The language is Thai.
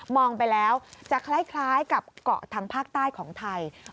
ไปแล้วจะคล้ายกับเกาะทางภาคใต้ของไทย